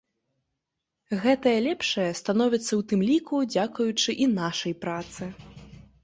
Гэтае лепшае становіцца ў тым ліку дзякуючы і нашай працы.